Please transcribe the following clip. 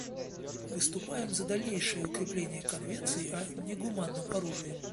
Выступаем за дальнейшее укрепление Конвенции о негуманном оружии.